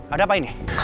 ada apa ini